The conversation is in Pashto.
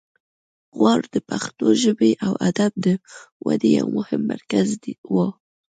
غور د پښتو ژبې او ادب د ودې یو مهم مرکز و